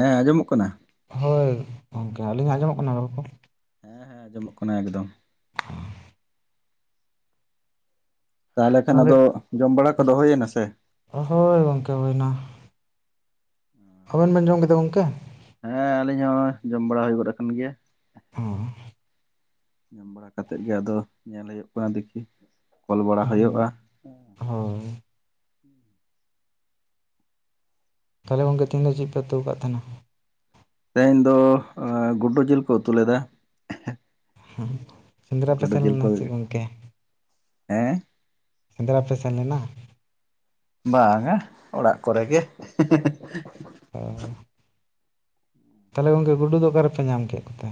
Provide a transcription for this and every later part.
ᱦᱮᱸ ᱟᱸᱡᱚᱢᱚᱜ ᱠᱟᱱᱟ? ᱦᱳᱭ ᱜᱚᱢᱠᱮ ᱟᱹᱞᱤᱧᱟᱜ ᱟᱸᱡᱚᱢᱚᱜ ᱠᱟᱱᱟ ᱜᱚᱞᱯᱷᱚ? ᱦᱮᱸ ᱦᱮᱸ ᱟᱸᱡᱚᱢᱚᱜ ᱠᱟᱱᱟ ᱮᱠᱫᱚᱢ᱾ [inaudible] ᱛᱟᱦᱞᱮ ᱠᱷᱟᱱ ᱛᱟᱦᱚᱞᱮ ᱟᱫᱚ ᱡᱚᱢ ᱵᱟᱲᱟ ᱠᱚᱫᱚ ᱦᱚᱭᱮᱱᱟ ᱥᱮ? ᱦᱳᱭ ᱜᱚᱢᱠᱮ ᱦᱳᱭᱱᱟ᱾ ᱟᱵᱮᱱ ᱵᱮᱱ ᱡᱚᱢ ᱠᱮᱫᱟ ᱜᱚᱢᱠᱮ? ᱦᱮᱸ ᱟᱹᱞᱤᱧ ᱦᱚᱸ ᱡᱚᱢ ᱵᱟᱲᱟ ᱦᱳᱭ ᱜᱚᱫ ᱟᱠᱟᱱ ᱜᱮᱭᱟ᱾ ᱚ ᱡᱟᱢ ᱵᱟᱲᱟ ᱠᱟᱛᱮ ᱜᱮ ᱟᱫᱚ ᱧᱮᱞ ᱦᱳᱭᱳᱜ ᱠᱟᱱᱟ ᱫᱮᱠᱷᱤ ᱠᱚᱞ ᱵᱟᱲᱟ ᱦᱳᱭᱳᱜᱼᱟ᱾᱾ ᱦᱩᱸ ᱦᱳᱭ᱾ ᱛᱟᱞᱦᱮ ᱜᱚᱢᱠᱮ ᱛᱮᱦᱮᱧ ᱫᱚ ᱪᱮᱫ ᱯᱮ ᱩᱛᱩ ᱟᱠᱟᱫ ᱛᱟᱦᱮᱱᱟ? ᱛᱮᱦᱮᱧ ᱫᱚ ᱜᱩᱰᱩ ᱡᱤᱞ ᱠᱚ ᱩᱛᱩ ᱞᱮᱫᱟ᱾ ᱥᱮᱸᱫᱽᱨᱟ ᱯᱮ ᱜᱩᱰᱩ ᱥᱮᱱ ᱡᱤᱞ ᱠᱚ ᱞᱮᱱᱟ ᱥᱮ ᱪᱮᱫ ᱜᱚᱢᱠᱮ? ᱦᱮᱸ? ᱥᱮᱸᱫᱽᱨᱟ ᱯᱮ ᱥᱮᱱ ᱞᱮᱱᱟ? ᱵᱟᱝᱼᱟ ᱚᱲᱟᱜ ᱠᱚᱨᱮ ᱜᱮ᱾ ᱚ ᱛᱟᱦᱚᱞᱮ ᱜᱚᱝᱠᱮ ᱜᱩᱰᱩ ᱫᱚ ᱚᱠᱟᱨᱮᱯᱮ ᱧᱟᱢ ᱠᱮᱫ ᱠᱚᱛᱮ?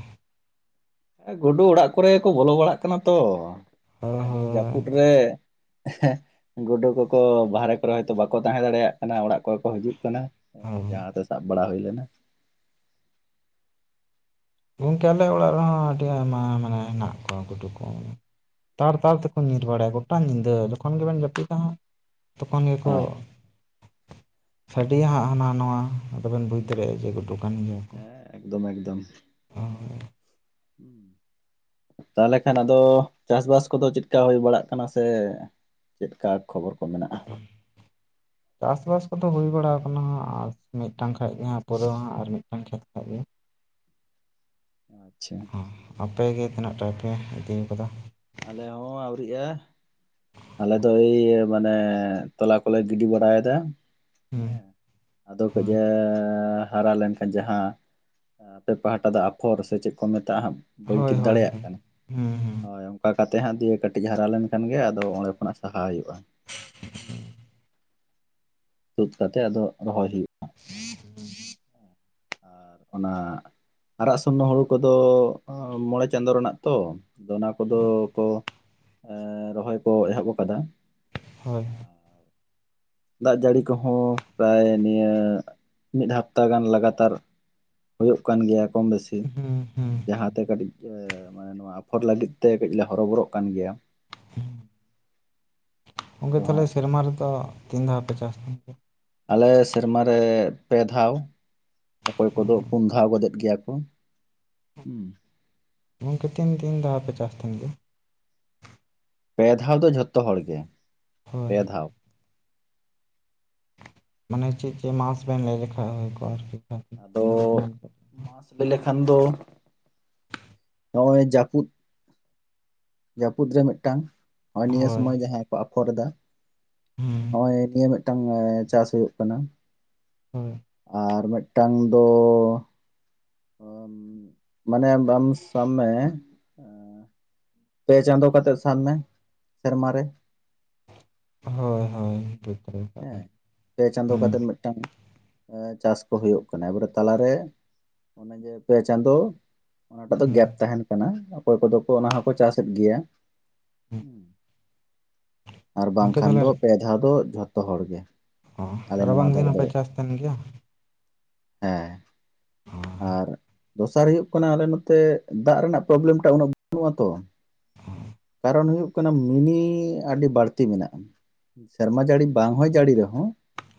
ᱦᱮᱸ ᱜᱩᱰᱩ ᱚᱲᱟᱜ ᱠᱚᱨᱮ ᱠᱚ ᱵᱚᱞᱚ ᱵᱟᱲᱟᱜ ᱠᱟᱱᱟ ᱛᱚ ᱚ ᱦᱮ ᱱᱤᱭᱟᱹ ᱦᱳᱭ ᱡᱟᱹᱯᱩᱫ ᱨᱮ᱾ ᱜᱩᱰᱩ ᱠᱚᱠᱚ ᱵᱟᱦᱨᱮ ᱠᱚᱨᱮ ᱦᱚᱭᱛᱳ ᱵᱟᱠᱚ ᱛᱟᱦᱮᱸ ᱫᱟᱲᱮᱭᱟᱜ ᱠᱟᱱᱟ ᱚᱲᱟᱜ ᱠᱚᱨᱮ ᱠᱚ ᱦᱤᱡᱩᱜ ᱠᱟᱱᱟ᱾ ᱦᱮᱸ ᱦᱳᱭ ᱡᱟᱦᱟᱸᱛᱮ ᱥᱟᱵ ᱵᱟᱲᱟ ᱦᱩᱭ ᱞᱮᱱᱟ᱾ ᱜᱚᱝᱠᱮ ᱟᱞᱮ ᱚᱲᱟᱜ ᱨᱮᱦᱚᱸ ᱟᱹᱰᱤ ᱟᱭᱢᱟ ᱢᱟᱱᱮ ᱦᱮᱱᱟᱜ ᱠᱚᱣᱟ ᱜᱩᱰᱩ ᱠᱚ᱾ ᱛᱟᱨ ᱛᱟᱨ ᱛᱮᱠᱚ ᱧᱤᱨ ᱵᱟᱲᱟᱭᱟ ᱜᱚᱴᱟ ᱧᱤᱫᱟᱹ ᱡᱚᱠᱷᱚᱱ ᱜᱮᱵᱮᱱ ᱡᱟᱹᱯᱤᱫᱟ ᱦᱟᱜ᱾ ᱛᱚᱠᱷᱚᱱ ᱜᱤᱠᱚ ᱚ ᱥᱟᱰᱮᱭᱟ ᱦᱟᱸᱜ ᱦᱟᱱᱟ ᱱᱚᱣᱟ ᱟᱫᱚᱵᱮᱱ ᱵᱩᱡ ᱫᱟᱲᱮᱼᱟ ᱡᱮ ᱜᱩᱰᱩ ᱠᱟᱱ ᱜᱮᱭᱟ ᱠᱚ᱾ ᱦᱮᱸ ᱮᱠᱫᱚᱢ ᱮᱠᱫᱚᱢ᱾ [unintelligible] [inaudible] ᱛᱟᱦᱚᱞᱮ ᱠᱷᱟᱱ ᱟᱫᱚ ᱪᱟᱥᱵᱟᱥ ᱠᱚᱫᱚ ᱪᱮᱫ ᱞᱮᱠᱟ ᱦᱩᱭ ᱵᱟᱲᱟᱜ ᱠᱟᱱᱟ ᱥᱮ ᱪᱮᱫᱞᱮᱠᱟ᱾ ᱠᱷᱚᱵᱚᱨ ᱠᱚ ᱢᱮᱱᱟᱜᱼᱟ᱾ ᱪᱟᱥᱵᱟᱥ ᱠᱚᱫᱚ ᱦᱩᱭ ᱵᱟᱲᱟ ᱟᱠᱟᱱᱟ ᱟᱨ ᱢᱤᱫᱴᱟᱝ ᱠᱷᱟᱜ ᱜᱮ ᱦᱟᱜ ᱯᱩᱨᱟᱹᱣ ᱦᱟᱜ ᱟᱨ ᱢᱤᱫᱴᱟᱝ ᱠᱷᱮᱛ ᱠᱷᱟᱜ ᱜᱮ᱾ [inaudible] ᱟᱯᱮ ᱜᱤ ᱛᱤᱱᱟᱜ ᱴᱟᱭ ᱯᱮ ᱦᱟᱹᱴᱤᱧ ᱠᱟᱫᱟ᱾ ᱟᱞᱮ ᱦᱚᱸ ᱟᱹᱣᱨᱤᱜᱼᱟ ᱟᱞᱮ ᱫᱚᱭᱻ ᱾ ᱢᱟᱱᱮ ᱛᱚᱞᱟ ᱠᱚᱞᱮ ᱜᱤᱰᱤ ᱵᱟᱲᱟᱭ ᱮᱫᱟ᱾ ᱦᱩᱸ ᱦᱮᱸ ᱟᱫᱚ ᱦᱳᱭ ᱠᱟᱹᱡᱮ ᱦᱟᱨᱟ ᱞᱮᱱ ᱡᱟᱦᱟᱸ ᱟᱯᱮ ᱯᱟᱦᱴᱟ ᱫᱚ ᱟᱯᱷᱚᱨ, ᱥᱮ ᱪᱮᱫ ᱠᱚ ᱢᱮᱛᱟᱜᱼᱟ ᱦᱟᱜ, ᱵᱟᱹᱧ ᱦᱳᱭ ᱴᱷᱤᱠ ᱫᱟᱲᱮᱭᱟᱜ ᱦᱳᱭ ᱠᱟᱱᱟ, ᱦᱩᱸ ᱦᱩᱸ ᱦᱚᱭ ᱚᱱᱠᱟ ᱠᱟᱛᱮ ᱦᱟᱸᱜ ᱫᱤᱭᱮ ᱠᱟᱹᱴᱤᱡ ᱦᱟᱨᱟ ᱞᱮᱱᱠᱷᱟᱱ ᱜᱮ ᱟᱫᱚ ᱚᱸᱰᱮ ᱠᱷᱚᱱᱟᱜ ᱥᱟᱦᱟ ᱦᱩᱭᱩᱜᱼᱟ᱾ ᱛᱩᱫ ᱠᱟᱛᱮᱜ ᱟᱫᱚ ᱨᱚᱦᱚᱭ ᱦᱩᱭᱩᱜᱼᱟ᱾ [inaudible] ᱟᱨ ᱚᱱᱟ, ᱟᱨᱟᱜ ᱥᱩᱱᱱᱚ ᱦᱩᱲᱩ ᱠᱚᱫᱚ ᱢᱚᱬᱮ ᱪᱟᱸᱫᱳ ᱨᱮᱱᱟᱜ ᱛᱚ, ᱟᱫᱚ ᱚᱱᱟ ᱠᱚᱫᱚ ᱠᱚ ᱮᱻ ᱨᱚᱦᱚᱭ ᱠᱚ ᱮᱦᱚᱵ ᱟᱠᱟᱫᱟ᱾ ᱦᱳᱭ ᱫᱟᱜ ᱡᱟᱹᱲᱤ ᱠᱚᱦᱚᱸ ᱯᱨᱟᱭ ᱱᱤᱭᱟᱹ ᱢᱤᱫ ᱦᱟᱯᱛᱟ ᱜᱟᱱ ᱞᱟᱜᱟᱛᱟᱨ ᱦᱩᱭᱩᱜ ᱠᱟᱱ ᱜᱮᱭᱟ ᱠᱚᱢ ᱵᱮᱥᱤ, ᱦᱩᱸ ᱦᱩᱸ ᱡᱟᱦᱟᱸᱛᱮ ᱠᱟᱹᱴᱤᱡ ᱢᱟᱱᱮ ᱱᱚᱣᱟ ᱟᱯᱷᱚᱨ ᱞᱟᱹᱜᱤᱫ ᱛᱮ ᱠᱟᱹᱴᱤᱡ ᱞᱮ ᱦᱚᱨᱚᱵᱚᱨᱚᱜ ᱠᱟᱱ ᱜᱮᱭᱟ᱾ ᱜᱚᱝᱠᱮ ᱟᱫᱚ ᱛᱟᱦᱞᱮ ᱦᱟᱸᱜ ᱥᱮᱨᱢᱟ ᱨᱮᱫᱚ ᱛᱤᱱ ᱫᱷᱟᱣ ᱯᱮ ᱪᱟᱥ ᱠᱟᱱ ᱛᱮ? ᱟᱞᱮ ᱥᱮᱨᱢᱟ ᱨᱮ ᱯᱮ ᱫᱷᱟᱣ᱾ ᱚᱠᱚᱭ ᱠᱚᱫᱚ ᱯᱩᱱ ᱫᱷᱟᱣ ᱜᱚᱫᱚᱜ ᱜᱮᱭᱟ ᱠᱚ, ᱦᱩᱸ᱾ ᱜᱚᱝᱠᱮ ᱛᱤᱱ ᱫᱤᱱ ᱫᱷᱟᱣ ᱯᱮ ᱪᱟᱥ ᱛᱟᱦᱮᱱ ᱜᱮᱭᱟ? ᱯᱮ ᱫᱷᱟᱣ ᱫᱚ ᱡᱷᱚᱛᱚ ᱦᱚᱲ ᱜᱮ, ᱦᱳᱭ ᱯᱮ ᱫᱷᱟᱣ᱾ ᱢᱟᱱᱮ ᱪᱮᱫ ᱪᱮᱫ ᱢᱟᱥ ᱵᱮᱱ ᱞᱟᱹᱭ ᱞᱮᱠᱷᱟ ᱦᱩᱭ ᱠᱚᱜᱼᱟ ᱟᱨᱠᱤ᱾ ᱟᱫᱚ ᱤᱧ ᱵᱩᱡᱽ ᱧᱟᱢ ᱠᱮᱫ ᱢᱟᱥ ᱞᱟᱹᱭ ᱞᱮᱠᱷᱟᱱ ᱫᱚ ᱱᱚᱜᱼᱚᱭ ᱡᱟᱹᱯᱩᱫ, ᱡᱟᱹᱯᱩᱫ ᱨᱮ ᱢᱤᱫᱴᱟᱱ, ᱱᱚᱜᱼᱚᱭ ᱱᱤᱭᱟᱹ ᱥᱚᱢᱚᱭ ᱡᱟᱦᱟᱸᱭ ᱠᱚ ᱟᱯᱷᱚᱨ ᱮᱫᱟ᱾ ᱦᱮᱸ ᱱᱚᱜᱼᱚᱭ ᱱᱤᱭᱟᱹ ᱢᱤᱫᱴᱟᱝ ᱪᱟᱥ ᱦᱩᱭᱩᱜ ᱠᱟᱱᱟ᱾ ᱦᱳᱭ ᱟᱨ ᱢᱤᱫᱴᱟᱝ ᱫᱚ ᱢᱟᱱᱮ ᱵᱟᱢ ᱥᱟᱢ ᱢᱮ ᱯᱮ ᱪᱟᱸᱫᱚ ᱠᱟᱛᱮᱫ ᱥᱟᱵ ᱢᱮ ᱥᱮᱨᱢᱟ ᱨᱮ᱾ ᱦᱳᱭ ᱦᱳᱭ ᱴᱷᱤᱠ ᱾ ᱦᱮᱸ, ᱯᱮ ᱪᱟᱸᱫᱚ ᱠᱟᱛᱮᱫ ᱢᱤᱫᱴᱟᱝ- ᱮ ᱪᱟᱹᱥ ᱠᱚ ᱦᱩᱭᱩᱜ ᱠᱟᱱᱟ ᱮᱵᱟᱨᱮ ᱛᱟᱞᱟᱨᱮ ᱚᱱᱮ ᱡᱮ ᱯᱮ ᱪᱟᱸᱫᱳ- ᱚᱱᱟᱴᱟᱜ ᱫᱚ ᱦᱩᱸ ᱜᱮᱯ ᱛᱟᱦᱮᱱ ᱠᱟᱱᱟ ᱚᱠᱚᱭ ᱠᱚᱫᱚ ᱠᱚ ᱚᱱᱟ ᱦᱚᱸᱠᱚ ᱪᱟᱥᱮᱫ ᱜᱮᱭᱟ᱾ ᱦᱩᱸ ᱟᱨ ᱜᱚᱝᱠᱮ ᱵᱟᱝᱠᱷᱟᱱ ᱫᱚ ᱛᱟᱦᱚᱞᱮ ᱯᱮ ᱫᱷᱟᱣ ᱫᱚ ᱡᱷᱚᱛᱚ ᱦᱚᱲ ᱜᱮ᱾ ᱚ ᱟᱞᱮ ᱱᱚᱣᱟ ᱨᱟᱵᱟᱝ ᱫᱤᱱ ᱫᱷᱟᱨᱮ ᱦᱚᱸ ᱯᱮ ᱫᱚ ᱪᱟᱥ ᱛᱟᱦᱮᱱ ᱜᱮᱭᱟ? ᱦᱮᱸ᱾ [inaudible] ᱟᱨ ᱫᱚᱥᱟᱨ ᱦᱩᱭᱩᱜ ᱠᱟᱱᱟ ᱟᱞᱮ ᱱᱚᱛᱮ ᱫᱟᱜ ᱨᱮᱱᱟᱜ ᱯᱨᱚᱵᱞᱮᱢᱴᱟᱜ ᱩᱱᱟᱹᱜ ᱵᱟᱹᱱᱩᱜ-ᱟ ᱛᱚ᱾ [inaudible] ᱠᱟᱨᱚᱱ ᱦᱩᱭᱩᱜ ᱠᱟᱱᱟ ᱢᱤᱱᱤ ᱟᱹᱰᱤ ᱵᱟᱹᱲᱛᱤ ᱢᱮᱱᱟᱜ-ᱟ᱾ ᱥᱮᱨᱢᱟ ᱡᱟᱹᱲᱤ ᱵᱟᱝ ᱦᱚᱭ ᱡᱟᱹᱲᱤ ᱨᱮᱦᱚᱸ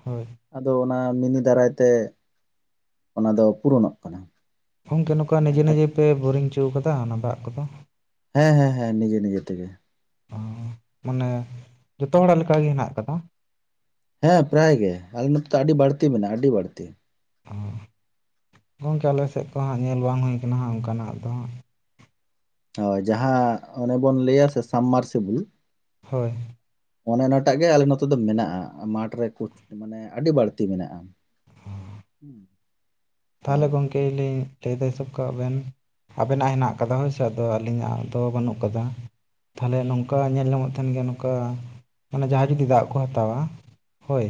ᱦᱳᱭ᱾ ᱟᱫᱚ ᱚᱱᱟ ᱢᱤᱱᱤ ᱫᱟᱨᱟᱭ ᱛᱮ ᱚᱱᱟ ᱫᱚ ᱯᱩᱨᱚᱱᱚᱜ ᱠᱟᱱᱟ ᱯᱷᱚᱝᱠᱮ ᱱᱚᱝᱠᱟ ᱡᱟᱦᱟᱸ ᱱᱤᱡᱮ ᱠᱷᱟᱹᱛᱤᱨ ᱱᱤᱡᱮ ᱯᱮ ᱵᱳᱨᱤᱝ ᱪᱚ ᱠᱟᱫᱟ ᱚᱱᱟ ᱫᱟᱜ ᱠᱚᱫᱚ? ᱦᱮᱸ ᱦᱮᱸ ᱦᱮᱸ ᱱᱤᱡᱮ ᱱᱤᱡᱮ ᱛᱮᱜᱮ᱾ ᱚ ᱢᱟᱱᱮ ᱡᱚᱛᱚ ᱦᱚᱲᱟᱜ ᱞᱮᱠᱟ ᱜᱮ ᱦᱮᱱᱟᱜ ᱟᱠᱟᱫᱟ? ᱦᱮᱸ ᱯᱨᱟᱭ ᱜᱮ ᱟᱞᱮ ᱱᱚᱛᱮ ᱫᱚ ᱟᱹᱰᱤ ᱵᱟᱹᱲᱛᱤ ᱢᱮᱱᱟᱜ-ᱟ ᱟᱹᱰᱤ ᱵᱟᱹᱲᱛᱤ᱾ ᱚ ᱜᱚᱝᱠᱮ ᱟᱞᱮᱥᱮᱜ ᱠᱚ ᱦᱟᱸᱜ ᱧᱮᱞ ᱵᱟᱝ ᱦᱳᱭ ᱟᱠᱟᱱᱟ ᱦᱟᱸᱜ ᱚᱱᱠᱟᱱᱟᱜ ᱫᱚᱦᱟᱸᱜ᱾ ᱦᱳᱭ ᱡᱟᱦᱟᱸ ᱚᱱᱮ ᱵᱚᱱ ᱞᱟᱹᱭᱟ ᱥᱮ ᱥᱟᱢ-ᱢᱟᱨᱥᱤᱵᱩᱞ? ᱦᱳᱭ᱾ ᱚᱱᱮ ᱚᱱᱟᱴᱟᱜ ᱜᱮ ᱟᱞᱮ ᱱᱚᱛᱮ ᱫᱚ ᱢᱮᱱᱟᱜ-ᱟ ᱢᱟᱴᱷ ᱨᱮ᱾ [unintelligible] ᱢᱟᱱᱮ ᱟᱹᱰᱤ ᱵᱟᱹᱲᱛᱤ ᱢᱮᱱᱟᱜ-ᱟ᱾ ᱛᱟᱦᱚᱞᱮ ᱜᱚᱝᱠᱮ ᱞᱟᱹᱭᱟᱹᱧ ᱞᱟᱹᱭ ᱫᱚ ᱦᱤᱥᱟᱹᱵ ᱠᱟᱜ ᱵᱮᱱ ᱟᱵᱮᱱᱟᱜ ᱦᱮᱱᱟᱜ ᱟᱠᱟᱫᱟ ᱦᱳᱭ ᱥᱮ ᱟᱫᱚ ᱟᱹᱞᱤᱧᱟᱜ ᱫᱚ ᱵᱟᱹᱱᱩᱜ ᱟᱠᱟᱫᱟ? ᱛᱟᱦᱚᱞᱮ ᱱᱚᱝᱠᱟ ᱧᱮᱞ ᱧᱟᱢᱚᱜ ᱛᱟᱦᱮᱱ ᱜᱮᱭᱟ ᱱᱚᱝᱠᱟ ᱢᱟᱱᱮ ᱡᱟᱦᱟᱸᱭ ᱡᱩᱫᱤ ᱫᱟᱜ ᱠᱚ ᱦᱟᱛᱟᱣᱟ ᱦᱳᱭ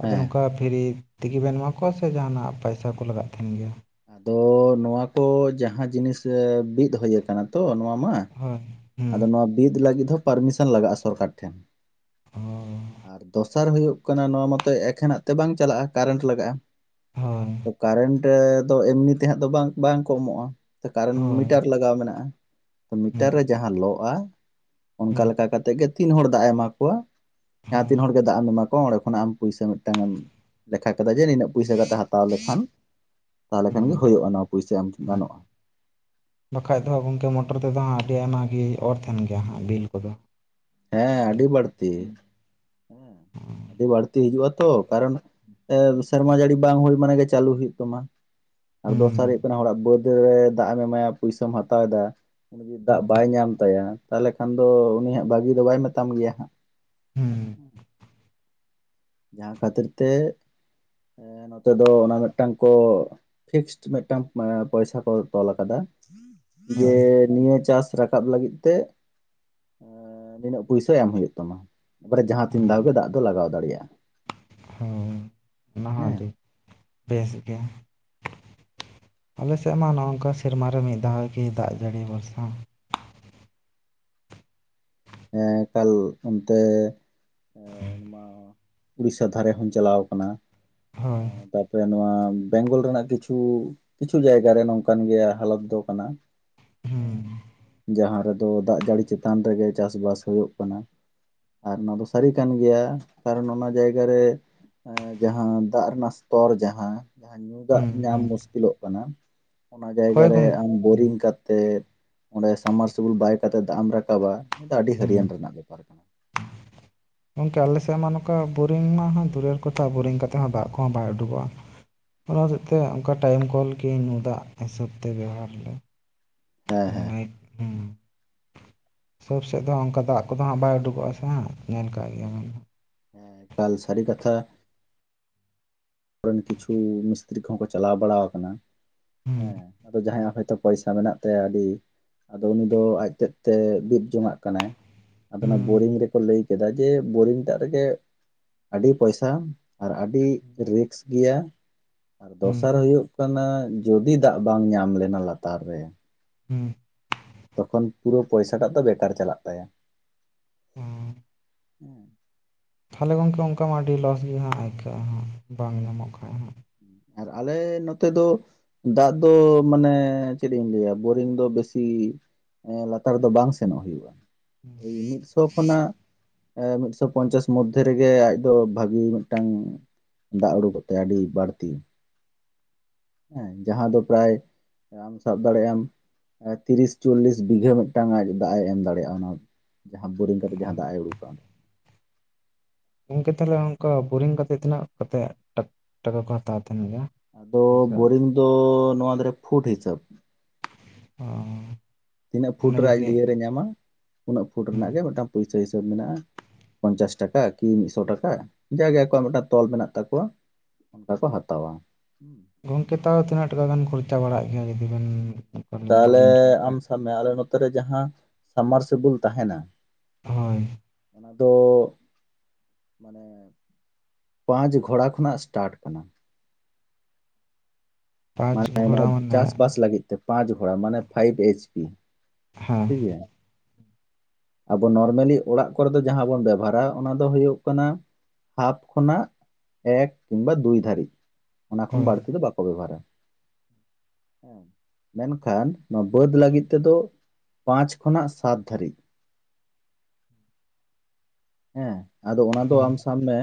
ᱟᱫᱚ ᱦᱮᱸ ᱱᱚᱝᱠᱟ ᱯᱷᱨᱤ ᱛᱮᱜᱮ ᱵᱮᱱ ᱮᱢᱟ ᱠᱚᱣᱟ ᱥᱮ ᱡᱟᱦᱟᱱᱟᱜ ᱯᱚᱭ? ᱯᱚᱭᱥᱟ ᱠᱚ ᱞᱟᱜᱟᱜ ᱛᱟᱦᱮᱱ ᱜᱮᱭᱟ? ᱟᱫᱚ ᱱᱚᱣᱟ ᱠᱚ ᱡᱟᱦᱟᱸ ᱡᱤᱱᱤᱥ ᱮᱸ ᱵᱤᱫ ᱦᱩᱭ ᱟᱠᱟᱱᱟ ᱛᱚ ᱱᱚᱣᱟ ᱢᱟ ᱦᱳᱭ᱾ ᱟᱫᱚ ᱦᱮᱸ ᱱᱚᱣᱟ ᱵᱤᱫ ᱞᱟᱹᱜᱤᱫ ᱦᱚᱸ ᱯᱟᱨᱢᱤᱥᱚᱱ ᱞᱟᱜᱟᱜ-ᱟ ᱥᱚᱨᱠᱟᱨ ᱴᱷᱮᱱ ᱚ ᱟᱨ ᱫᱚᱥᱟᱨ ᱦᱩᱭᱩᱜ ᱠᱟᱱᱟ ᱱᱚᱣᱟ ᱢᱟᱛᱚ ᱮᱠᱷᱮᱱᱟᱜ ᱛᱮ ᱵᱟᱝ ᱪᱟᱞᱟᱜᱼᱟ ᱠᱟᱨᱮᱱᱴ ᱞᱟᱜᱟᱜᱼᱟ᱾ ᱦᱳᱭ᱾ ᱛᱚ ᱠᱟᱨᱮᱱᱴ ᱫᱚ ᱮᱢᱱᱤ ᱛᱮ ᱦᱟᱸᱜ ᱫᱚ ᱵᱟᱝ ᱵᱟᱝ ᱠᱚ ᱮᱢᱚᱜᱼᱟ᱾ ᱠᱟᱨᱮᱱᱴ ᱦᱳᱭ ᱢᱤᱴᱟᱨ ᱞᱟᱜᱟᱣ ᱢᱮᱱᱟᱜᱼᱟ ᱛᱚ ᱢᱤᱴᱟᱨ ᱨᱮ ᱦᱩᱸ ᱡᱟᱦᱟᱸ ᱞᱚᱜᱼᱟ ᱚᱱᱠᱟ ᱦᱩᱸ ᱞᱮᱠᱟ ᱠᱟᱛᱮᱜ ᱜᱮ ᱛᱤᱱ ᱦᱚᱲ ᱫᱟᱜ ᱮ ᱮᱢᱟ ᱠᱚᱣᱟ ᱡᱟᱦᱟᱸ ᱦᱳᱭ ᱛᱤᱱ ᱦᱚᱲ ᱡᱮ ᱫᱟᱜ ᱮᱢ ᱮᱢᱟ ᱠᱚᱣᱟ ᱚᱸᱰᱮ ᱠᱷᱚᱱᱟᱜ ᱟᱢ ᱯᱩᱭᱥᱟ ᱢᱤᱫᱴᱟᱝ ᱮᱢ ᱞᱮᱠᱷᱟ ᱠᱮᱫᱟ ᱡᱮ ᱱᱤᱱᱟᱹᱜ ᱯᱩᱭᱥᱟᱹ ᱠᱟᱛᱮ ᱦᱟᱛᱟᱣ ᱞᱮᱠᱷᱟᱱ ᱛᱟᱦᱚᱞᱮ ᱠᱷᱟᱱ ᱜᱮ ᱦᱩᱸ ᱦᱩᱭᱩᱜᱼᱟ ᱱᱚᱣᱟ ᱯᱩᱭᱥᱟᱹ ᱮᱢ ᱦᱳᱭ ᱜᱟᱱᱚᱜᱼᱟ᱾ ᱵᱟᱠᱷᱟᱡ ᱫᱚ ᱜᱚᱝᱠᱮ ᱢᱚᱴᱚᱨ ᱛᱮᱫᱚ ᱦᱟᱸᱜ ᱟᱹᱰᱤ ᱟᱭᱢᱟ ᱜᱮ ᱚᱨ ᱛᱟᱦᱮᱱ ᱜᱮᱭᱟ ᱦᱟᱸᱜ ᱵᱤᱞ ᱠᱚᱫᱚ᱾ ᱦᱮᱸ ᱟᱹᱰᱤ ᱵᱟᱹᱲᱛᱤ ᱦᱩᱸ ᱦᱮᱸ ᱟᱹᱰᱤ ᱵᱟᱹᱲᱛᱤ᱾ ᱛᱤ ᱦᱤᱡᱩᱜ ᱟ ᱛᱚ ᱠᱟᱨᱚᱱ ᱥᱮᱨᱢᱟ ᱡᱟᱹᱲᱤ ᱵᱟᱝ ᱦᱩᱭ ᱢᱟᱱᱮ ᱜᱮ ᱪᱟᱹᱞᱩ ᱦᱩᱭᱩᱜ ᱛᱟᱢᱟ᱾ ᱟᱨ ᱫᱚᱥᱟᱨ ᱦᱩᱭᱩᱜ ᱠᱟᱱᱟ ᱦᱚᱲᱟᱜ ᱵᱟᱹᱫ ᱨᱮ ᱫᱟᱜ ᱮᱢ ᱮᱢᱟᱭᱟ ᱯᱩᱭᱥᱟᱹᱢ ᱦᱟᱛᱟᱣ ᱮᱫᱟ᱾ ᱩᱱᱤ ᱡᱩᱫᱤ ᱫᱟᱜ ᱦᱩᱸ ᱵᱟᱭ ᱧᱟᱢ ᱛᱟᱭᱟ ᱛᱟᱦᱚᱞᱮ ᱠᱷᱟᱱ ᱫᱚ ᱩᱱᱤ ᱦᱟᱸᱜ ᱵᱷᱟᱹᱜᱤ ᱫᱚ ᱵᱟᱭ ᱢᱮᱛᱟᱢ ᱜᱮᱭᱟ ᱦᱟᱸᱜ᱾ [unintelligible] [inaudible] ᱡᱟᱦᱟᱸ ᱠᱷᱟᱹᱛᱤᱨ ᱛᱮ ᱮᱸ ᱱᱚᱛᱮ ᱫᱚ ᱚᱱᱟ ᱢᱤᱫᱴᱟᱝ ᱠᱚ ᱯᱷᱤᱠᱥ ᱢᱤᱫᱴᱟᱝ ᱯᱚᱭᱥᱟ ᱠᱚ ᱛᱚᱞ ᱟᱠᱟᱫᱟ ᱡᱮ ᱦᱳᱭ ᱱᱤᱭᱟᱹ ᱪᱟᱥ ᱨᱟᱠᱟᱵ ᱞᱟᱹᱜᱤᱫ ᱛᱮ ᱮᱸ ᱱᱤᱱᱟᱹᱜ ᱯᱩᱭᱥᱟᱹ ᱮᱢ ᱦᱩᱭᱩᱜ ᱛᱟᱢᱟ᱾ ᱛᱟᱯᱚᱨᱮ ᱡᱟᱦᱟᱸ ᱛᱤᱱ ᱫᱷᱟᱣ ᱜᱮ ᱫᱟᱜ ᱫᱚ ᱞᱟᱜᱟᱣ ᱫᱟᱲᱮᱭᱟᱜᱼᱟ᱾᱾ ᱦᱳᱭ ᱚᱱᱟ ᱦᱚᱸ ᱦᱮᱸ ᱟᱹᱰᱤ ᱵᱮᱥ ᱜᱮ᱾ ᱟᱞᱮ ᱥᱮᱫ ᱢᱟ ᱱᱚᱼᱚᱝᱠᱟ ᱥᱮᱨᱢᱟ ᱨᱮ ᱢᱤᱫ ᱫᱷᱟᱣ ᱜᱮ ᱫᱟᱜ ᱡᱟᱹᱲᱤ ᱵᱷᱚᱨᱥᱟ᱾ ᱦᱮ ᱮᱠᱟᱞ ᱚᱱᱛᱮ [unintelligible] ᱩᱲᱤᱥᱟ ᱫᱷᱟᱨᱮ ᱦᱚᱸᱧ ᱪᱟᱞᱟᱣ ᱠᱟᱱᱟ᱾ ᱦᱳᱭ ᱥᱮ ᱱᱚᱣᱟ ᱵᱮᱝᱜᱚᱞ ᱨᱮᱱᱟᱜ ᱠᱤᱪᱷᱩ ᱠᱤᱪᱷᱩ ᱡᱟᱭᱜᱟ ᱨᱮ ᱱᱚᱝᱠᱟᱱ ᱜᱮᱭᱟ ᱦᱟᱞᱚᱛ ᱫᱚ ᱠᱟᱱᱟ᱾ ᱦᱩᱸ ᱦᱮᱸ, ᱡᱟᱦᱟᱸ ᱨᱮᱫᱚ ᱫᱟᱜ ᱡᱟᱹᱲᱤ ᱪᱮᱛᱟᱱ ᱨᱮᱜᱮ ᱪᱟᱥᱼᱵᱟᱥ ᱦᱩᱭᱩᱜ ᱠᱟᱱᱟ᱾ ᱟᱨ ᱚᱱᱟ ᱫᱚ ᱥᱟᱹᱨᱤ ᱠᱟᱱ ᱜᱮᱭᱟ ᱠᱟᱨᱚᱱ ᱚᱱᱟ ᱡᱟᱭᱜᱟ ᱨᱮ ᱮᱸ ᱡᱟᱦᱟᱸ ᱫᱟᱜ ᱨᱮᱱᱟᱜ ᱥᱛᱚᱨ ᱡᱟᱦᱟᱸ ᱧᱩ ᱫᱟᱜ ᱦᱩᱸ ᱧᱟᱢ ᱦᱩᱸ ᱢᱩᱥᱠᱤᱞᱚᱜ ᱠᱟᱱᱟ᱾ ᱚᱱᱟ ᱦᱳᱭ ᱡᱟᱭᱜᱟᱟᱨ ᱨᱮ ᱜᱚᱝ ᱟᱢ ᱵᱳᱨᱤᱝ ᱠᱟ ᱠᱟᱛᱮᱜ ᱚᱸᱰᱮ ᱥᱟᱵᱢᱟᱨᱥᱤᱵᱮᱞ ᱵᱟᱭ ᱠᱟ ᱠᱟᱛᱮᱫ ᱫᱟᱜ ᱮᱢ ᱨᱟᱠᱟᱵᱟ᱾ ᱱᱤᱭᱟᱹ ᱫᱚ ᱟᱹᱰᱤ ᱦᱩᱸ ᱦᱟᱹᱨᱤᱭᱟᱹᱱ ᱨᱮᱱᱟᱜ ᱵᱮᱯᱟᱨ ᱜᱮ᱾ ᱜᱚᱢᱠᱮ ᱟᱞᱮ ᱥᱮᱫ ᱢᱟ ᱱᱚᱝᱠᱟ ᱵᱩᱨᱤᱝ ᱢᱟ ᱫᱩᱨᱮᱨ ᱠᱚᱛᱷᱟ ᱵᱳᱨᱤᱝ ᱠᱟᱛᱮᱫ ᱦᱚᱸ ᱫᱟᱜ ᱠᱚᱦᱚᱸ ᱵᱟᱭ ᱩᱰᱩᱠᱚᱜᱼᱟ᱾ ᱚᱱᱟ ᱥᱮᱫ ᱛᱮ ᱚᱱᱠᱟ ᱠᱚᱞ ᱠᱤ ᱧᱩ ᱫᱟᱜ ᱦᱤᱥᱟᱹᱵ ᱛᱮ ᱵᱮᱣᱦᱟᱨ ᱞᱮ᱾ ᱦᱮᱸ ᱦᱮᱸ [inaudible] ᱥᱟᱹᱵ ᱥᱮᱫ ᱫᱚ ᱚᱱᱠᱟ ᱫᱟᱜ ᱠᱚᱫᱚ ᱦᱟᱸᱜ ᱵᱟᱭ ᱩᱰᱩᱠᱚᱜᱼᱟ ᱥᱮ ᱦᱜ ᱧᱮᱞ ᱠᱟᱜ ᱜᱮᱭᱟ ᱵᱮᱱ ᱦᱟᱜ᱾ ᱮᱠᱟᱞ ᱥᱟᱹᱨᱤ ᱠᱟᱛᱷᱟ᱾ ᱟᱵᱚᱨᱮᱱ ᱠᱤᱪᱷᱩ ᱢᱤᱥᱛᱨᱤ ᱠᱚᱦᱚᱸ ᱠᱚ ᱪᱟᱞᱟᱣ ᱵᱟᱲᱟᱣ ᱟᱠᱟᱱᱟ᱾ ᱦᱩᱸ ᱦᱮᱸ ᱟᱫᱚ ᱡᱟᱦᱟᱸᱭᱟᱜ ᱦᱚᱭᱛᱚ ᱯᱚᱭᱥᱟ ᱢᱮᱱᱟᱜ ᱛᱟᱭᱟ ᱟᱹᱰᱤ ᱟᱫᱚ ᱩᱱᱤ ᱫᱚ ᱟᱡᱛᱮᱫ ᱛᱮ ᱵᱤᱫ ᱡᱚᱱᱟᱜ ᱠᱟᱱᱟᱭ ᱟᱫᱚ ᱚᱱᱟ ᱵᱳᱨᱤᱝ ᱦᱩᱸ ᱨᱮᱠᱚ ᱞᱟᱹᱭ ᱠᱮᱫᱟ ᱡᱮ ᱵᱳᱨᱤᱝ ᱫᱟᱜ ᱨᱮᱜᱮ ᱟᱹᱰᱤ ᱯᱚᱭᱥᱟ ᱟᱨ ᱟᱹᱰᱤ ᱨᱤᱠᱥ ᱜᱮᱭᱟ᱾ ᱟᱨ ᱦᱩᱸ ᱫᱚᱥᱟᱨ ᱦᱤᱞᱳᱜ ᱠᱟᱱᱟ ᱡᱚᱫᱤ ᱫᱟᱜ ᱵᱟᱝ ᱧᱟᱢ ᱞᱮᱱᱟ ᱞᱟᱛᱟᱨ ᱨᱮ ᱦᱩᱸ᱾ ᱛᱚᱠᱷᱚᱱ ᱯᱩᱨᱟᱹ ᱯᱚᱭᱥᱟᱴᱟᱜ ᱫᱚ ᱵᱮᱠᱟᱨ ᱪᱟᱞᱟᱜ ᱛᱟᱭᱟ᱾ ᱦᱩᱸ᱾ ᱦᱩᱸ᱾ ᱛᱟᱦᱚᱞᱮ ᱜᱚᱢᱠᱮ ᱚᱱᱠᱟ ᱢᱟ ᱟᱹᱰᱤ ᱞᱚᱥ ᱜᱮ ᱦᱟᱸᱜ ᱟᱹᱭᱠᱟᱹᱜᱼᱟ ᱦᱟᱸᱜ ᱵᱟᱝ ᱧᱟᱢᱚᱜ ᱠᱷᱟᱱ ᱦᱟᱜ᱾ ᱟᱨ ᱟᱞᱮ ᱱᱚᱛᱮ ᱫᱚ ᱫᱟᱜ ᱫᱚ ᱢᱟᱱᱮ ᱪᱮᱫ ᱤᱧ ᱞᱟᱹᱭᱟ ᱵᱳᱨᱤᱝ ᱫᱚ ᱵᱮᱥᱤ ᱞᱟᱛᱟᱨ ᱫᱚ ᱵᱟᱝ ᱥᱮᱱᱚᱜ ᱦᱩᱭᱩᱜᱼᱟ᱾ ᱳᱭ ᱢᱤᱫ ᱥᱚ ᱠᱷᱚᱱᱟᱜ ᱢᱤᱫᱥᱚ ᱯᱚᱧᱪᱟᱥ ᱢᱚᱫᱫᱷᱮ ᱨᱮᱜᱮ ᱟᱡ ᱫᱚ ᱵᱷᱟᱹᱜᱤ ᱢᱤᱫᱴᱟᱝ ᱫᱟᱜ ᱩᱰᱩᱠᱚᱜ ᱛᱟᱭᱟ ᱟᱹᱰᱤ ᱵᱟᱹᱲᱛᱤ᱾ ᱦᱮᱸ ᱡᱟᱦᱟᱸ ᱫᱚ ᱯᱨᱟᱭ ᱟᱢ ᱥᱟᱵ ᱫᱟᱲᱮᱭᱟᱜ ᱟᱢ ᱛᱤᱨᱤᱥ ᱪᱚᱞᱞᱤᱥ ᱵᱤᱜᱷᱟᱹ ᱢᱤᱫᱴᱟᱝ ᱟᱡ ᱫᱟᱜ ᱮᱢ ᱫᱟᱲᱮᱭᱟᱜᱼᱟ ᱚᱱᱟ᱾ ᱡᱟᱦᱟᱸ ᱵᱳᱨᱤᱝ ᱠᱟᱛᱮ ᱡᱟᱦᱟᱸ ᱫᱟᱜᱼ ᱮ ᱩᱰᱩᱠᱟᱜᱼᱟᱸᱰᱮ᱾ ᱜᱚᱢᱠᱮ ᱛᱟᱦᱚᱞᱮ ᱚᱱᱠᱟ ᱵᱳᱨᱤᱝ ᱠᱟᱛᱮᱫ ᱛᱤᱱᱟᱹᱜ ᱠᱟᱛᱮᱫ ᱴᱟᱠᱟ ᱠᱚ ᱦᱟᱛᱟᱣ ᱛᱟᱦᱮᱱ ᱜᱮᱭᱟ? ᱟᱫᱚ ᱯᱚᱭᱥᱟ ᱵᱳᱨᱤᱝ ᱫᱚ ᱱᱚᱣᱟ ᱫᱷᱚᱨᱮ ᱯᱷᱩᱴ ᱦᱤᱥᱟᱹᱵ᱾ ᱚ ᱛᱤᱱᱟᱹᱜ ᱯᱷᱩᱴ ᱚᱱᱟ ᱨᱮᱭᱟᱜ ᱟᱡ ᱡᱩᱫᱤ ᱞᱤᱭᱟᱹᱨᱮ ᱧᱟᱢᱟ ᱩᱱᱟᱹᱜ ᱯᱷᱩᱴ ᱦᱩᱸ ᱨᱮᱱᱟᱜ ᱜᱮ ᱢᱤᱫᱴᱟᱝ ᱯᱩᱭᱥᱟᱹ ᱦᱤᱥᱟᱹᱵ ᱢᱮᱱᱟᱜᱼᱟ ᱯᱚᱧᱪᱟᱥ ᱴᱟᱠᱟ ᱠᱤ ᱢᱤᱫᱥᱚ ᱴᱟᱠᱟ ᱡᱟᱜᱮ ᱟᱠᱚᱣᱟᱜ ᱢᱤᱫᱴᱟᱝ ᱛᱚᱞ ᱢᱮᱱᱟᱜ ᱛᱟᱠᱚᱣᱟ᱾ ᱚᱱᱠᱟ ᱠᱚ ᱦᱟᱛᱟᱣᱟ ᱦᱩᱸ᱾ ᱜᱚᱝᱠᱮ ᱛᱟᱣ ᱛᱤᱱᱟᱹᱜ ᱴᱟᱠᱟ ᱜᱟᱱ ᱠᱷᱚᱨᱪᱟ ᱵᱟᱲᱟᱜ ᱜᱮᱭᱟ ᱡᱩᱫᱤ ᱵᱮᱱ ᱚᱱᱠᱟᱞᱤᱧ ᱛᱟᱦᱚᱞᱮ ᱵᱳᱨᱤᱝ ᱦᱚᱪᱚᱭ ᱟᱢ ᱠᱷᱟᱡ ᱥᱟᱵ ᱢᱮ ᱟᱞᱮ ᱱᱚᱛᱮᱨᱮ ᱡᱟᱦᱟᱸ ᱥᱟᱢᱟᱨᱥᱤᱵᱤᱞ ᱛᱟᱦᱮᱱᱟ ᱦᱳᱭ᱾ ᱚᱱᱟ ᱢᱟᱱᱮ ᱯᱟᱸᱪ ᱜᱷᱚᱲᱟ ᱠᱷᱚᱱᱟᱜ ᱥᱴᱟᱴ ᱠᱟᱱᱟ᱾ ᱯᱟᱸᱪ ᱢᱟᱱᱮ ᱜᱷᱚᱲᱟ ᱢᱟᱱᱮ ᱪᱟᱥᱵᱟᱥ ᱞᱟᱹᱜᱤᱫ ᱛᱮ ᱯᱟᱸᱪ ᱜᱷᱚᱲᱟ ᱢᱟᱱᱮ ᱯᱷᱟᱭᱤᱵᱽ ᱮᱭᱤᱪ ᱯᱤ᱾ ᱦᱮᱸ, [unintelligible] ᱟᱵᱚ ᱱᱚᱨᱢᱮᱞᱤ ᱚᱲᱟᱜ ᱠᱚᱨᱮ ᱫᱚ ᱡᱟᱦᱟᱸ ᱵᱚᱱ ᱵᱮᱵᱚᱦᱟᱨᱟ ᱚᱱᱟ ᱫᱚ ᱦᱳᱭᱳᱜ ᱠᱟᱱᱟ᱾ ᱦᱟᱯ ᱠᱷᱚᱱᱟᱜ ᱮᱠ ᱠᱤᱱᱵᱟ ᱫᱩᱭ ᱫᱷᱟᱹᱨᱤᱡ, ᱚᱱᱟ ᱠᱷᱚᱱ ᱦᱳᱭ ᱵᱟᱹᱲᱛᱤ ᱫᱚ ᱵᱟᱠᱚ ᱵᱮᱵᱚᱦᱟᱨᱟ ᱾ ᱢᱮᱱᱠᱷᱟᱱ ᱱᱚᱣᱟ ᱵᱟᱹᱫᱽ ᱞᱟᱹᱜᱤᱫ ᱛᱮ ᱫᱚ ᱯᱟᱸᱪ ᱠᱷᱚᱱᱟᱜ ᱥᱟᱛ ᱫᱷᱟᱹᱨᱤᱡ ᱾ ᱦᱮᱸ, ᱟᱫᱚ ᱚᱱᱟ ᱫᱚ ᱦᱳᱭ ᱟᱢ ᱥᱟᱵ ᱢᱮ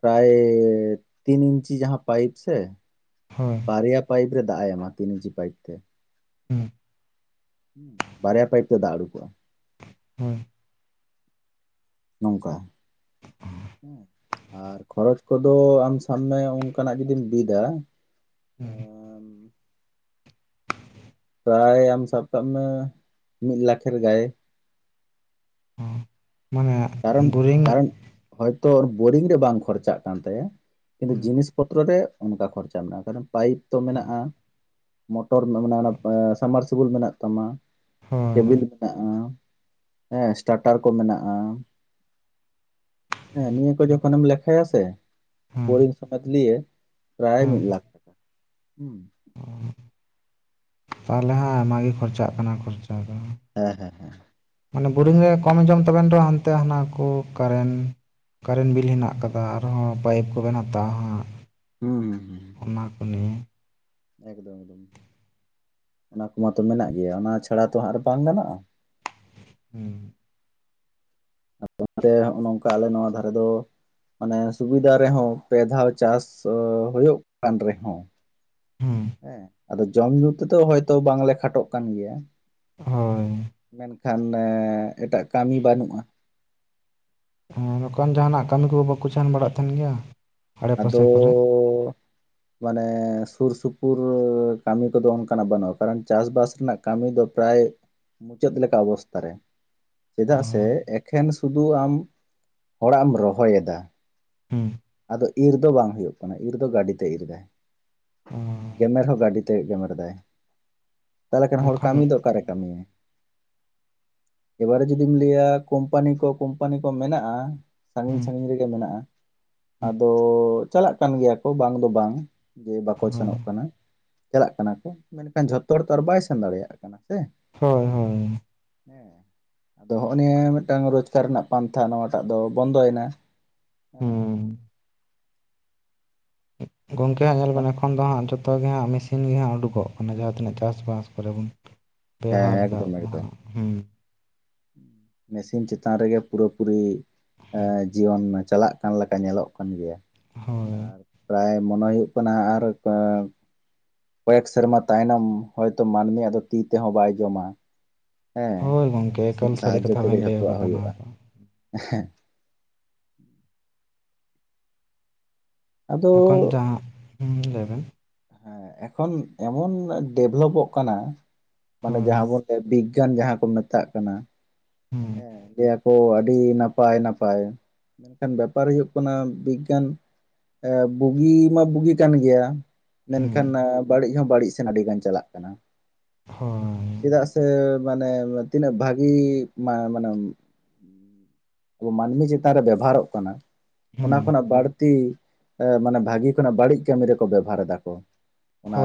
ᱯᱨᱟᱭ ᱛᱤᱱ ᱤᱧᱪᱤ ᱡᱟᱦᱟᱸ ᱯᱟᱭᱤᱯ ᱥᱮ ᱦᱳᱭ ᱵᱟᱨᱭᱟ ᱯᱟᱭᱤᱯ ᱨᱮ ᱫᱟᱜ ᱮ ᱮᱢᱟ ᱛᱤᱱ ᱤᱧᱪᱤ ᱯᱟᱭᱤᱯ ᱛᱮ [unintelligible] ᱵᱟᱨᱭᱟ ᱯᱟᱭᱤᱯ ᱛᱮ ᱫᱟᱜ ᱩᱲᱩᱠᱚᱜ-ᱟ ᱾ [unintelligible] ᱱᱚᱝᱠᱟ, ᱦᱮᱸ ᱟᱨ ᱠᱷᱚᱨᱚᱪ ᱠᱚᱫᱚ ᱟᱢ ᱥᱟᱵ ᱢᱮ ᱚᱝᱠᱟᱱᱟᱜ ᱡᱩᱫᱤᱢ ᱵᱤᱫᱟ ᱦᱮᱸ, ᱯᱨᱟᱭ ᱟᱢ ᱥᱟᱵ ᱠᱟᱜ ᱢᱮ ᱢᱤᱫ ᱞᱟᱠᱷᱮᱨ ᱜᱟᱭᱮ ᱾ ᱦᱚᱸ ᱢᱟᱱᱮ ᱠᱟᱨᱚᱱ ᱵᱳᱨᱤᱝ ᱠᱟᱨᱚᱱ ᱦᱚᱭᱛᱚ ᱵᱳᱨᱤᱝ ᱨᱮ ᱵᱟᱝ ᱠᱷᱚᱨᱪᱟᱜ ᱠᱟᱱ ᱛᱟᱭᱟ ᱠᱤᱱᱛᱩ ᱡᱤᱱᱤᱥ ᱯᱚᱛᱨᱚ ᱨᱮ ᱚᱱᱠᱟ ᱠᱷᱚᱨᱪᱟ ᱢᱮᱱᱟᱜ-ᱟ, ᱠᱟᱮᱚᱱ ᱯᱟᱭᱤᱯ ᱛᱚ ᱢᱮᱱᱟᱜ-ᱟ ᱾ ᱢᱚᱴᱚᱨ ᱢᱮᱱᱟᱜ ᱢᱮᱱᱟᱜ ᱚᱱᱟ ᱥᱟᱢᱢᱟᱨᱥᱤᱵᱮᱞ ᱢᱮᱱᱟᱜ ᱛᱟᱢᱟ ᱦᱳᱭ ᱠᱮᱵᱤᱞ ᱦᱮᱸ ᱥᱴᱟᱴᱟᱨ ᱠᱚ ᱢᱮᱱᱟᱜ-ᱟ ᱾ ᱦᱮᱸ ᱱᱤᱭᱟᱹ ᱠᱚ ᱡᱚᱠᱷᱚᱱ ᱮᱢ ᱞᱮᱠᱷᱟᱭᱟ ᱥᱮ ᱦᱮᱸ ᱵᱳᱨᱤᱝ ᱥᱳᱢᱮᱛ ᱞᱤᱭᱮ᱾ ᱯᱨᱟᱭ ᱦᱮᱸ ᱢᱤᱫ ᱞᱟᱠᱷ ᱴᱟᱠᱟ, ᱦᱩᱸ ᱛᱟᱦᱚᱞᱮ ᱦᱟᱸᱜ ᱟᱭᱢᱟ ᱜᱮ ᱠᱷᱚᱨᱪᱟᱜ ᱠᱟᱱᱟ ᱠᱷᱚᱨᱪᱟ ᱫᱚ ᱾ ᱦᱮᱸ ᱦᱮᱸ ᱦᱮᱸ, ᱢᱟᱱᱮ ᱵᱳᱨᱤᱝ ᱨᱮ ᱠᱚᱢ ᱡᱚᱢ ᱛᱟᱵᱮᱱ ᱨᱮ ᱦᱚᱸ ᱦᱟᱱᱛᱮ ᱦᱟᱱᱟ ᱠᱚ ᱠᱟᱨᱮᱱ ᱠᱟᱨᱮᱱ ᱵᱤᱞ ᱦᱮᱱᱟᱜ ᱟᱠᱟᱫᱟ ᱟᱨ ᱦᱚᱸ ᱯᱟᱭᱤᱯ ᱠᱚᱵᱮᱱ ᱦᱟᱛᱟᱣᱟ ᱦᱟᱸᱜ, ᱦᱩᱸ ᱦᱩᱸ ᱦᱩᱸ, ᱚᱱᱟ ᱠᱚ ᱱᱤᱭᱮ, ᱮᱠᱫᱚᱢ ᱮᱠᱫᱚᱢ ᱚᱱᱟ ᱠᱚᱢᱟᱛᱚ ᱢᱮᱱᱟᱜ ᱜᱮᱭᱟ ᱚᱱᱟ ᱪᱷᱟᱲᱟ ᱛᱚ ᱦᱟᱸᱜ ᱟᱨ ᱵᱟᱝ ᱜᱟᱱᱚᱜ-ᱟ ᱾ ᱦᱩᱸ, ᱟᱫᱚ ᱚᱱᱟᱛᱮ ᱦᱚᱜ-ᱚ ᱱᱚᱝᱠᱟ ᱟᱞᱮ ᱱᱚᱣᱟ ᱫᱷᱟᱨᱮ ᱫᱚ ᱢᱟᱱᱮ ᱥᱩᱵᱤᱫᱟ ᱨᱮ ᱦᱚᱸ ᱯᱮ ᱫᱷᱟᱣ ᱪᱟᱥ ᱦᱳᱭᱳᱜ ᱠᱟᱱ ᱨᱮ ᱦᱚᱸ ᱦᱩᱸ ᱦᱮᱸ, ᱟᱫᱚ ᱡᱚᱢ ᱧᱩ ᱛᱮ ᱫᱚ ᱦᱚᱭᱛᱚ ᱵᱟᱝ ᱞᱮ ᱠᱷᱟᱴᱚᱜ ᱠᱟᱱ ᱜᱮᱭᱟ ᱾ ᱦᱳᱭ, ᱢᱮᱱ ᱠᱷᱟᱱ ᱮᱴᱟᱜ ᱠᱟᱹᱢᱤ ᱵᱟᱹᱱᱩᱜ-ᱟ ᱾ ᱦᱮᱸ, ᱡᱚᱠᱷᱚᱱ ᱡᱟᱦᱟᱱᱟᱜ ᱠᱟᱹᱢᱤ ᱠᱚ ᱵᱟᱠᱚ ᱥᱮᱱ ᱵᱟᱲᱟᱜ ᱛᱟᱦᱮᱱ ᱜᱮᱭᱟ? ᱟᱲᱮ ᱯᱟᱥᱮ ᱟᱫᱚᱻᱻ ᱠᱚᱨᱮ ᱢᱟᱱᱮ ᱥᱩᱨ ᱥᱩᱯᱩᱨ ᱠᱟᱹᱢᱤ ᱠᱚ ᱫᱚ ᱚᱱᱠᱟᱱᱟᱜ ᱵᱟᱹᱱᱩᱜ-ᱟ, ᱠᱟᱨᱚᱱ ᱪᱟᱥᱵᱟᱥ ᱨᱮᱱᱟᱜ ᱠᱟᱹᱢᱤ ᱫᱚ ᱯᱨᱟᱭ ᱢᱩᱪᱟᱹᱫ ᱞᱮᱠᱟ ᱚᱵᱚᱥᱛᱟ ᱨᱮ, ᱚ ᱪᱮᱫᱟᱜ ᱥᱮ ᱮᱠᱷᱮᱱ ᱥᱩᱫᱩ ᱟᱢ ᱦᱚᱲᱟᱜ ᱮᱢ ᱨᱚᱦᱚᱭᱮᱫᱟ ᱾ ᱦᱩᱸ, ᱟᱫᱚ ᱤᱨ ᱫᱚ ᱵᱟᱝ ᱦᱳᱭᱳᱜ ᱠᱟᱱᱟ ᱤᱨ ᱫᱚ ᱜᱟᱹᱰᱤ ᱛᱮ ᱤᱨ ᱮᱫᱟᱭ ᱾ ᱚ ᱜᱮᱢᱮᱨ ᱦᱚᱸ ᱜᱟᱹᱰᱤ ᱛᱮ ᱜᱮᱢᱮᱨ ᱫᱟᱭ ᱾ ᱛᱟᱦᱚᱞᱮ ᱠᱷᱟᱱ ᱦᱚᱲ ᱮᱠᱷᱚᱱ ᱠᱟᱹᱢᱤ ᱫᱚ ᱚᱠᱟᱨᱮ ᱠᱟᱹᱢᱤᱭᱟᱭ, ᱮᱵᱟᱨᱮ ᱡᱩᱫᱤᱢ ᱞᱟᱹᱭᱟ ᱠᱳᱢᱯᱟᱱᱤ ᱠᱚ ᱠᱳᱢᱯᱟᱱᱤ ᱠᱚ ᱢᱮᱱᱟᱜ-ᱟ ᱥᱟᱺᱜᱤᱧ ᱦᱮᱸ ᱥᱟᱺᱜᱤᱧ ᱨᱮᱜᱮ ᱢᱮᱱᱟᱜ-ᱟ᱾ ᱟᱫᱚ ᱪᱟᱞᱟᱜ ᱠᱟᱱ ᱜᱮᱭᱟ ᱠᱚ ᱵᱟᱝ ᱫᱚ ᱵᱟᱝ ᱡᱮ ᱵᱟᱠᱚ ᱥᱮᱱᱚᱜ ᱠᱟᱱᱟ, ᱪᱟᱞᱟᱜ ᱠᱟᱱᱟ ᱠᱚ ᱢᱮᱱᱠᱷᱟᱱ ᱡᱷᱚᱛᱚ ᱦᱚᱲ ᱛᱚ ᱟᱨ ᱵᱟᱭ ᱥᱮᱱ ᱫᱟᱲᱮᱭᱟᱜ ᱠᱟᱱᱟ ᱥᱮ᱾ ᱦᱳᱭ ᱦᱳᱭ ᱩᱸ᱾ ᱦᱮᱸ ᱟᱫᱚ ᱦᱚᱸᱜ-ᱚ ᱱᱤᱭᱟᱹ ᱢᱤᱜᱴᱟᱝ ᱨᱳᱡᱽᱜᱟᱨ ᱨᱮᱱᱟᱜ ᱯᱟᱱᱛᱷᱟ ᱱᱚᱣᱟᱴᱟᱜ ᱫᱚ ᱵᱚᱱᱫᱚᱭᱮᱱᱟ᱾ ᱦᱮᱸ ᱦᱩᱸ, ᱜᱚᱝᱠᱮ ᱦᱟᱸᱜ ᱧᱮᱞ ᱵᱮᱱ ᱮᱠᱷᱚᱱ ᱫᱚ ᱦᱟᱸᱜ ᱡᱚᱛᱚ ᱜᱮ ᱦᱟᱸᱜ ᱢᱮ ᱥᱤᱱ ᱜᱮ ᱦᱟᱸᱜ ᱩᱰᱩᱠᱚᱜ ᱠᱟᱱᱟ ᱡᱟᱦᱟᱸ ᱛᱤᱱᱟᱹᱜ ᱪᱟᱥᱵᱟᱥ ᱠᱚᱨᱮ ᱵᱚᱱ ᱦᱮᱸ ᱵᱮᱣᱦᱟᱨᱫᱟ ᱮᱠᱫᱚᱢ ᱟᱵᱚ ᱦᱟᱸᱜ‌ ᱮᱠᱫᱚᱢ ᱦᱩᱸ᱾ ᱢᱮᱥᱤᱱ ᱪᱮᱛᱟᱱ ᱨᱮᱜᱮ ᱯᱩᱨᱟᱹᱯᱩᱨᱤ ᱮᱸ ᱡᱤᱭᱚᱱ ᱪᱟᱞᱟᱜ ᱪᱮᱛᱟᱱ ᱞᱮᱠᱟ ᱧᱮᱞᱚᱜ ᱠᱟᱱ ᱜᱮᱭᱟ ᱦᱳᱭ ᱟᱨ ᱯᱨᱟᱭ ᱢᱚᱱᱮ ᱦᱩᱭᱩᱜ ᱠᱟᱱᱟ ᱟᱨ ᱠᱚᱭᱮᱠ ᱥᱮᱨᱢᱟ ᱛᱟᱭᱱᱚᱢ ᱦᱚᱭᱛᱚ ᱢᱟᱹᱱᱢᱤᱭᱟᱜ ᱫᱚ ᱛᱤ ᱛᱮᱦᱚᱸ ᱵᱟᱭ ᱡᱚᱢᱟ᱾ ᱦᱮᱸ ᱦᱳᱭ ᱚᱱᱟ ᱜᱚᱢᱠᱮ ᱮᱠᱟᱞ ᱢᱮᱥᱤᱱ ᱥᱟᱹᱨᱤ ᱥᱟᱦᱟᱡᱡᱚ ᱠᱟᱛᱷᱟ ᱵᱮᱱ ᱛᱮᱜᱮ ᱞᱟᱹᱭ ᱡᱚᱛᱚᱣᱟᱜ ᱟᱠᱟᱫᱟ ᱦᱩᱭᱩᱜᱼᱟ ᱱᱚᱣᱟ ᱫᱚ ᱦᱮᱸ᱾ ᱟᱫᱚ ᱮᱠᱷᱚᱱ ᱡᱟᱦᱟᱸᱜ ᱦᱩᱸ, ᱞᱟᱹᱭᱵᱮᱱ? ᱦᱮᱸ ᱮᱠᱷᱚᱱ ᱮᱢᱚᱱ ᱰᱮᱵᱷᱞᱚᱯᱚᱜ ᱠᱟᱱᱟ ᱢᱟᱱᱮ ᱦᱳᱭ ᱡᱟᱦᱟᱸ ᱵᱚᱱ ᱮ ᱵᱤᱜᱽᱜᱟᱱ ᱡᱟᱦᱟᱸ ᱠᱚ ᱢᱮᱛᱟᱜ ᱠᱟᱱᱟ ᱦᱩᱸ ᱦᱮᱸ, ᱚ ᱟᱹᱰᱤ ᱱᱟᱯᱟᱭ ᱱᱟᱯᱟᱭ, ᱢᱮᱱᱠᱷᱟᱱ ᱵᱮᱯᱟᱨ ᱦᱩᱭᱩᱜ ᱠᱟᱱᱟ ᱵᱤᱜᱽᱜᱟᱱ ᱮᱸ ᱵᱩᱜᱤ ᱢᱟ ᱵᱩᱜᱤ ᱠᱟᱱ ᱜᱮᱭᱟ, ᱦᱩᱸ ᱢᱮᱱᱠᱷᱟᱱ ᱵᱟᱹᱲᱤᱜ ᱦᱚᱸ ᱵᱟᱹᱲᱤᱜ ᱥᱮᱱ ᱟᱹᱰᱤᱜᱟᱱ ᱪᱟᱞᱟᱜ ᱠᱟᱱᱟ᱾ ᱦᱳᱭ, ᱪᱮᱫᱟᱜ ᱥᱮ ᱢᱟᱱᱮ ᱛᱤᱱᱟᱹᱜ ᱵᱷᱟᱜᱤ ᱢᱟ ᱢᱟᱱᱮ, ᱟᱵᱚ ᱢᱟᱹᱱᱢᱤ ᱪᱮᱛᱟᱱ ᱨᱮ ᱵᱮᱵᱷᱟᱨᱚᱜ ᱠᱟᱱᱟ ᱦᱩᱸ ᱚᱱᱟ ᱠᱷᱚᱱᱟᱜ ᱵᱟᱹᱲᱛᱤ ᱮᱸ ᱢᱟᱱᱮ ᱵᱷᱟᱹᱜᱤ ᱠᱷᱚᱱᱟᱜ ᱵᱟᱹᱲᱤᱜ ᱠᱟᱹᱢᱤ ᱨᱮᱠᱚ ᱵᱮᱵᱷᱟᱨ ᱫᱟ ᱠᱚ᱾ ᱚᱱᱟ ᱦᱳᱭ